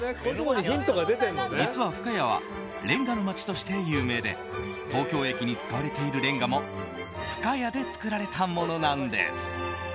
実は、深谷はレンガの街として有名で東京駅に使われているレンガも深谷で作られたものなんです。